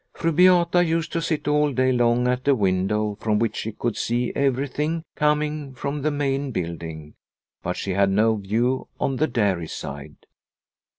Fru Beata used to sit all day long at a window from which she could see everything coming from the main building, but she had no view on the dairy side.